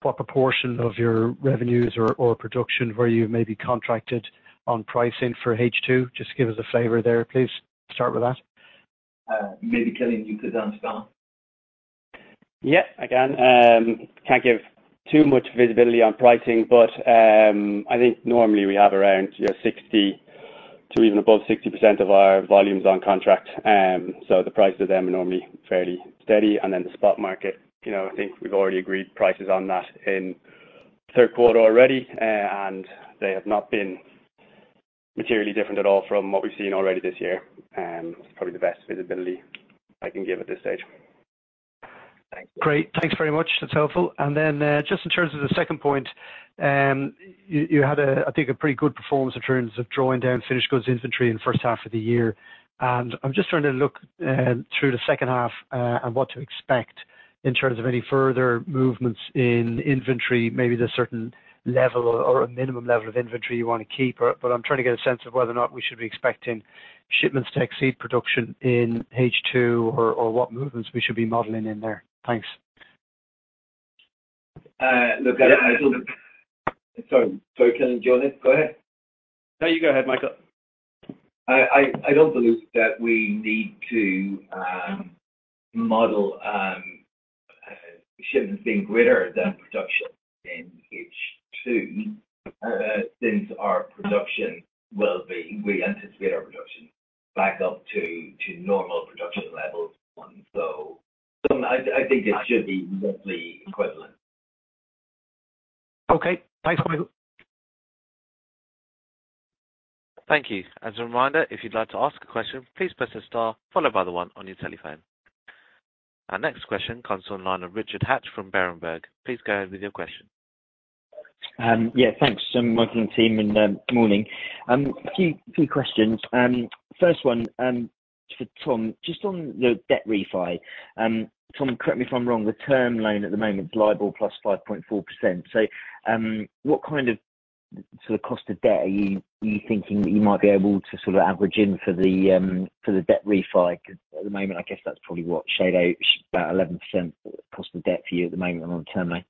what proportion of your revenues or, or production, where you may be contracted on pricing for H2? Just give us a flavor there, please. Start with that. Maybe, Cillian, you could answer that? Yeah, I can. can't give too much visibility on pricing. I think normally we have around, you know, 60 to even above 60% of our volumes on contract. The price of them are normally fairly steady. Then the spot market, you know, I think we've already agreed prices on that in Q3 already. They have not been materially different at all from what we've seen already this year. It's probably the best visibility I can give at this stage. Thanks. Great. Thanks very much. That's helpful. Then, just in terms of the second point, you, you had a, I think, a pretty good performance in terms of drawing down finished goods inventory in H1 of the year. I'm just trying to look, through H2, and what to expect in terms of any further movements in inventory, maybe there's a certain level or, or a minimum level of inventory you want to keep or. I'm trying to get a sense of whether or not we should be expecting shipments to exceed production in H2 or, or what movements we should be modeling in there. Thanks. Look, I, I don't. Sorry. Sorry, Cillian. Go ahead. No, you go ahead, Michael. I, I, I don't believe that we need to, model, shipments being greater than production in H2, since our production will be, we anticipate our production back up to, to normal production levels one. So I, I think it should be roughly equivalent. Okay. Thanks, Michael. Thank you. As a reminder, if you'd like to ask a question, please press star followed by the one on your telephone. Our next question comes on the line of Richard Hatch from Berenberg. Please go ahead with your question. Yeah, thanks, Michael and team, good morning. A few, few questions. First one, for Tom, just on the debt refi. Tom, correct me if I'm wrong, the term loan at the moment is LIBOR plus 5.4%. What kind of sort of cost of debt are you, you thinking that you might be able to sort of average in for the debt refi? Because at the moment, I guess that's probably what shade out, about 11% cost of debt for you at the moment on term loan.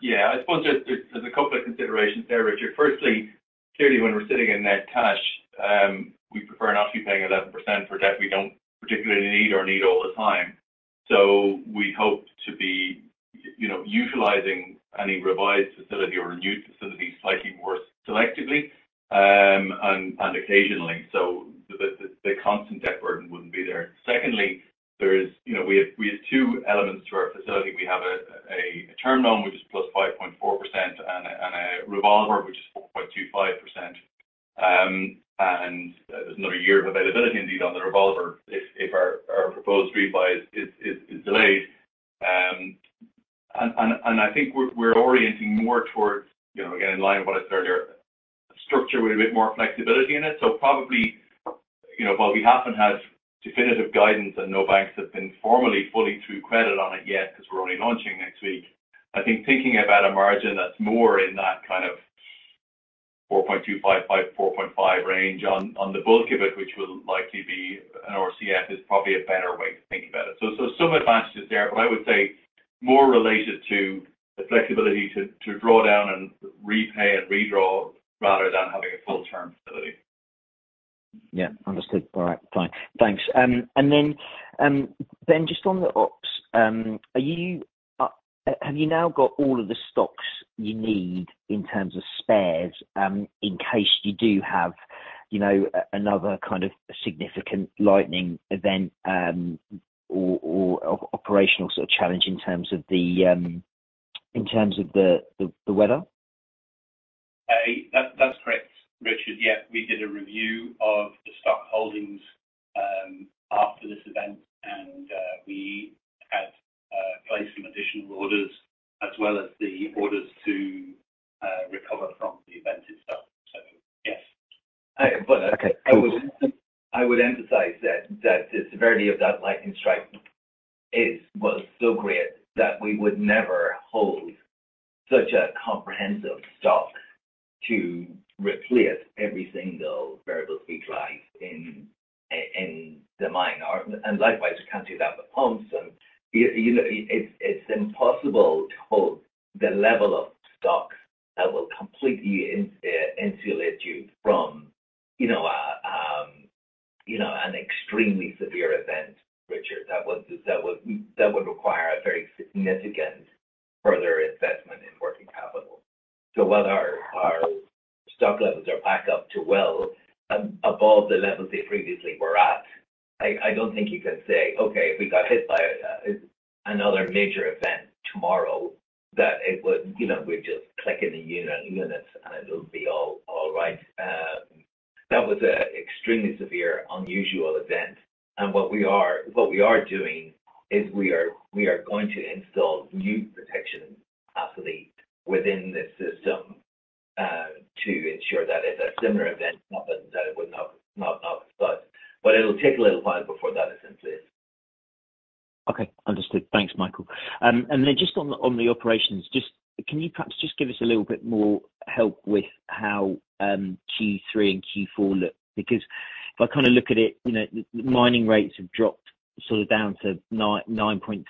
Yeah, I suppose there's a couple of considerations there, Richard. Firstly, clearly, when we're sitting in net cash, we prefer not to be paying 11% for debt we don't particularly need or need all the time. We hope to be, you know, utilizing any revised facility or a new facility slightly more selectively, and occasionally. The constant debt burden wouldn't be there. Secondly, there is, you know, we have 2 elements to our facility. We have a term loan, which is +5.4%, and a revolver, which is 4.25%. There's another year of availability indeed on the revolver if our proposed revise is delayed. I think we're, we're orienting more towards, you know, again, in line with what I said earlier... structure with a bit more flexibility in it. Probably, you know, while we haven't had definitive guidance, and no banks have been formally fully through credit on it yet, because we're only launching next week, I think thinking about a margin that's more in that kind of 4.255-4.5% range on, on the bulk of it, which will likely be an RCF, is probably a better way to think about it. Some advantages there, but I would say more related to the flexibility to, to draw down and repay and redraw rather than having a full-term facility. Yeah, understood. All right, fine. Thanks. Just on the ops, have you now got all of the stocks you need in terms of spares, in case you do have, you know, another kind of significant lightning event, or operational sort of challenge in terms of the, in terms of the, the, the weather? That, that's correct, Richard. Yeah, we did a review of the stock holdings, after this event, and we had placed some additional orders as well as the orders to recover from the event itself. Yes. Okay, cool. I would, I would emphasize that, that the severity of that lightning strike is, was so great that we would never hold such a comprehensive stock to replace every single variable speed drive in, in the mine, or. Likewise, you can't do that with pumps. You know, it's, it's impossible to hold the level of stock that will completely insulate you from, you know, a, you know, an extremely severe event, Richard. That would, that would, that would require a very significant further investment in working capital. While our, our stock levels are back up to well above the levels they previously were at, I, I don't think you can say, "Okay, if we got hit by another major event tomorrow, that it would, you know, we'd just click in the units, and it'll be all right." That was a extremely severe, unusual event. What we are, what we are doing is we are, we are going to install new protection after the, within this system, to ensure that if a similar event happens, that it would not affect. It'll take a little while before that is in place. Okay, understood. Thanks, Michael. Then just on the, on the operations, just, can you perhaps just give us a little bit more help with how Q3 and Q4 look? If I kind of look at it, you know, the mining rates have dropped sort of down to 9, 9.3,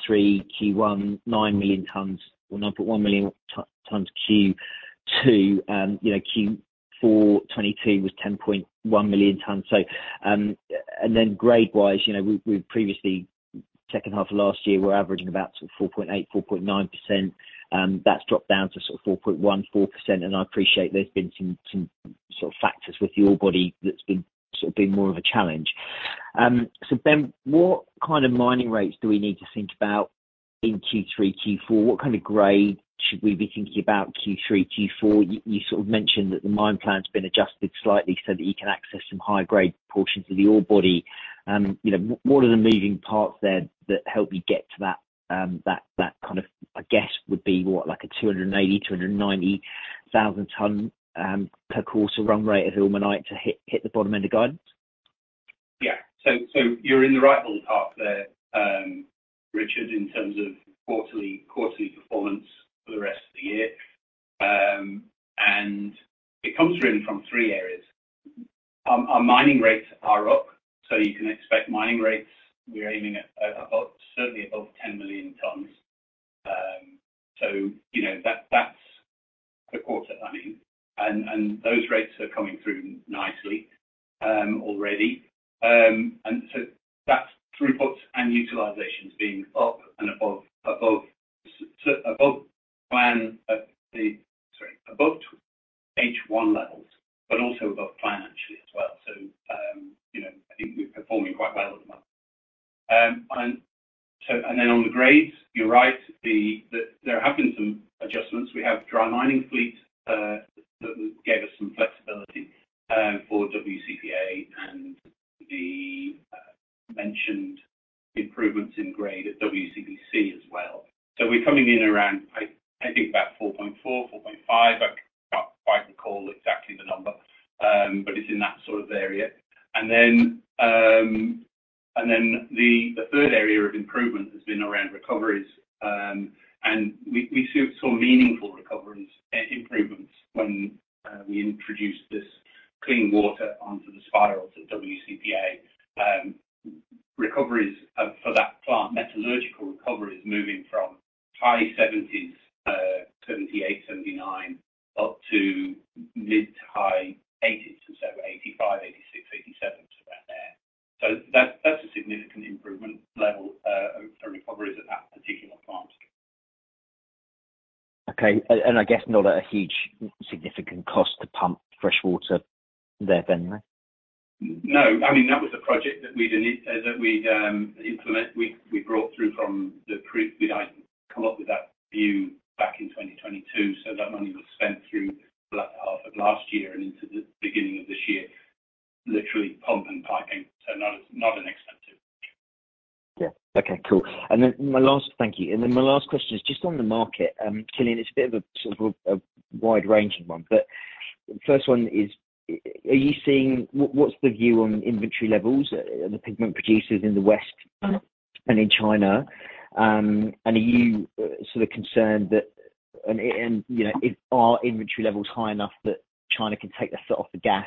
Q1, 9 million tons, or 9.1 million ton, tons, Q2. You know, Q4 2022 was 10.1 million tons. And then grade-wise, you know, we, we previously, second half of last year, were averaging about 4.8%, 4.9%. That's dropped down to sort of 4.1%, 4%, and I appreciate there's been some, some sort of factors with the ore body that's been sort of been more of a challenge. What kind of mining rates do we need to think about in Q3, Q4? What kind of grade should we be thinking about Q3, Q4? You sort of mentioned that the mine plan's been adjusted slightly so that you can access some higher grade portions of the ore body. You know, what are the moving parts there that help you get to that, that kind of, I guess, would be what? Like a 280-290 thousand ton per quarter run rate of ilmenite to hit, hit the bottom end of guidance? Yeah. So you're in the right ballpark there, Richard, in terms of quarterly, quarterly performance for the rest of the year. It comes really from three areas. Our mining rates are up, so you can expect mining rates, we're aiming at, at about, certainly above 10 million tons. You know, that, that's the quarter, I mean, those rates are coming through nicely already. That's throughputs and utilizations being up and above, above, above plan, the... Sorry, above H1 levels, also above plan actually as well. You know, I think we're performing quite well at the moment. On the grades, you're right, that there have been some adjustments. We have dry mining fleets that gave us some flexibility for WCP A and the mentioned improvements in grade at WCP B as well. We're coming in around, I, I think about 4.4, 4.5. I can't quite recall exactly the number, but it's in that sort of area. The third area of improvement has been around recoveries, and we saw meaningful recoveries improvements when we introduced this clean water onto the spirals at WCP A. Recoveries for that plant, metallurgical recovery is moving from high seventies, 78, 79, up to mid-high eighties, so 85, 86, 87, so about there. That, that's a significant improvement level for recoveries at that particular plant. Okay, I guess not at a huge significant cost to pump freshwater there then, right? No. I mean, that was a project that we'd implement. We, we brought through from the. We, I come up with that view back in 2022, so that money was spent through the latter half of last year and into the beginning of this year, literally pump and piping, so not, not an expensive-... Yeah. Okay, cool. Then my last-- thank you. Then my last question is just on the market, Cillian, it's a bit of a, sort of a, a wide-ranging one, but the first one is, are you seeing-- wha-what's the view on inventory levels, and the pigment producers in the West and in China? Are you, sort of concerned that, and, and, you know, if are inventory levels high enough that China can take their foot off the gas,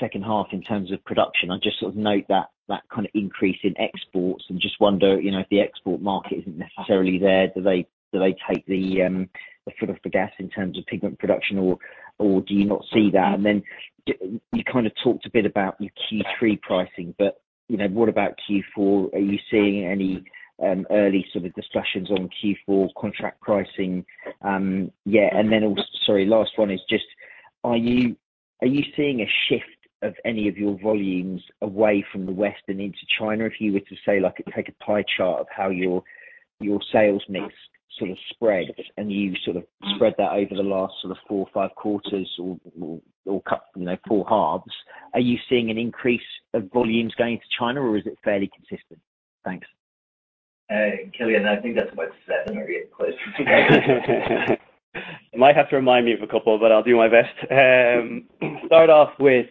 second half in terms of production? I just sort of note that, that kind of increase in exports and just wonder, you know, if the export market isn't necessarily there, do they, do they take the foot off the gas in terms of pigment production, or, or do you not see that? Then you kind of talked a bit about your Q3 pricing, but, you know, what about Q4? Are you seeing any early sort of discussions on Q4 contract pricing? Yeah, and then also, sorry, last one is just, are you seeing a shift of any of your volumes away from the West and into China? If you were to say, like, take a pie chart of how your, your sales mix sort of spread, and you sort of spread that over the last sort of 4 or 5 quarters or cut, you know, 4 halves, are you seeing an increase of volumes going to China, or is it fairly consistent? Thanks. Hey, Cillian, I think that's about seven or eight questions. You might have to remind me of a couple, but I'll do my best. Start off with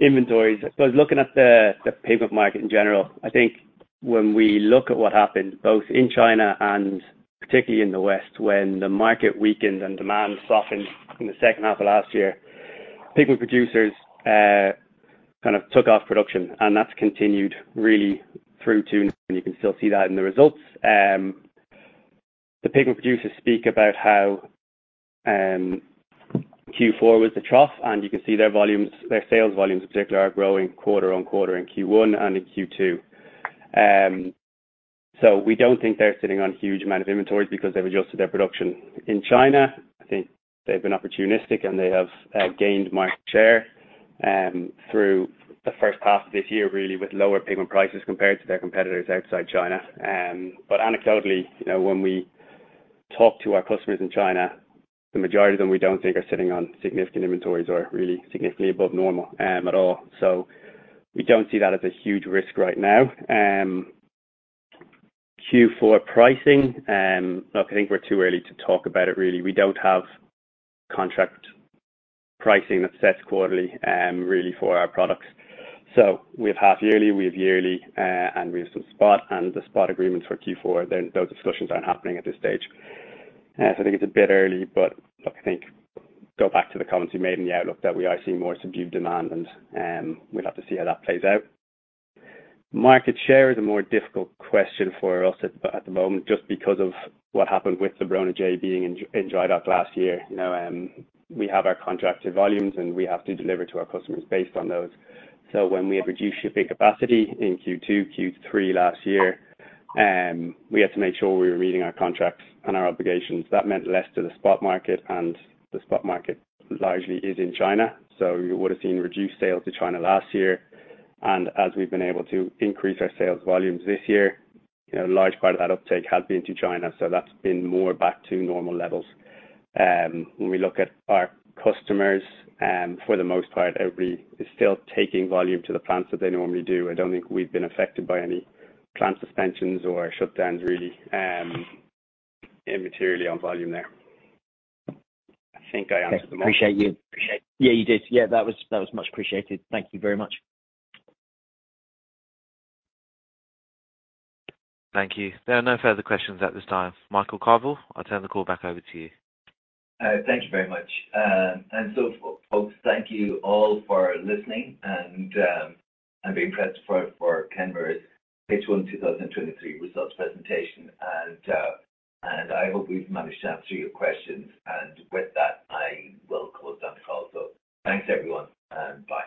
inventories. Looking at the pigment market in general, I think when we look at what happened, both in China and particularly in the West, when the market weakened and demand softened in the second half of last year, pigment producers kind of took off production, and that's continued really through to, and you can still see that in the results. The pigment producers speak about how Q4 was the trough, and you can see their volumes, their sales volumes in particular, are growing quarter on quarter in Q1 and in Q2. We don't think they're sitting on huge amount of inventories because they've adjusted their production. In China, I think they've been opportunistic, and they have gained market share through the first half of this year, really with lower pigment prices compared to their competitors outside China. Anecdotally, you know, when we talk to our customers in China, the majority of them we don't think are sitting on significant inventories or really significantly above normal at all. We don't see that as a huge risk right now. Q4 pricing, look, I think we're too early to talk about it really. We don't have contract pricing that sets quarterly, really for our products. We have half yearly, we have yearly, and we have some spot. The spot agreements for Q4, then those discussions aren't happening at this stage. I think it's a bit early, but look, I think go back to the comments you made in the outlook that we are seeing more subdued demand, and we'd love to see how that plays out. Market share is a more difficult question for us at the moment, just because of what happened with the Bronagh J being in dry dock last year. You know, we have our contracted volumes, and we have to deliver to our customers based on those. When we had reduced shipping capacity in Q2, Q3 last year, we had to make sure we were meeting our contracts and our obligations. That meant less to the spot market, and the spot market largely is in China, so you would have seen reduced sales to China last year. As we've been able to increase our sales volumes this year, you know, a large part of that uptake has been to China, so that's been more back to normal levels. When we look at our customers, for the most part, every is still taking volume to the plants that they normally do. I don't think we've been affected by any plant suspensions or shutdowns really, immaterially on volume there. I think I answered them all. Appreciate you. Appreciated. Yeah, you did. Yeah, that was, that was much appreciated. Thank you very much. Thank you. There are no further questions at this time. Michael Carvill, I'll turn the call back over to you. Thank you very much. Folks, thank you all for listening and being present for Kenmare's H1 2023 results presentation. I hope we've managed to answer your questions, and with that, I will close down the call. Thanks, everyone, and bye.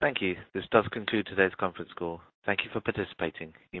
Thank you. This does conclude today's conference call. Thank you for participating. You may-